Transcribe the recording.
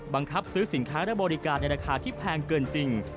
บังคับซื้อสินค้าและบริการในราคาที่แพงเกินจริง